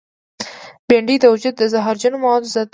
بېنډۍ د وجود د زهرجنو موادو ضد ده